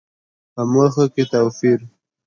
په موخو کې توپير.